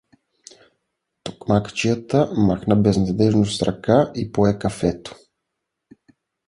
Токмакчията махна безнадеждно с ръка и пое кафето.